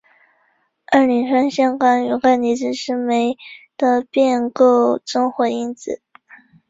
二磷酸腺苷与钙离子是酶的变构增活因子。